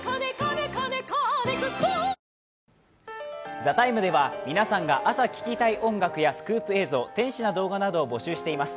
「ＴＨＥＴＩＭＥ，」では皆さんが朝聴きたい音楽やスクープ映像、天使な動画などを募集しています。